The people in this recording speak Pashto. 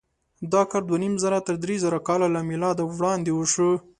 دا کار دوهنیمزره تر درېزره کاله له مېلاده وړاندې وشو.